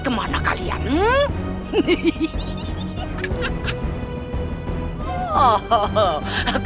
kemana kalian hm